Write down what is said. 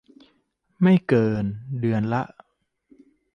ไม่เกินเดือนละ